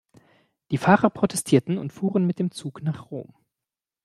Die Fahrer protestierten und fuhren mit dem Zug nach Rom.